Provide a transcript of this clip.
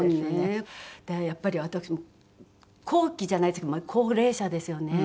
やっぱり私も後期じゃないですけど高齢者ですよね。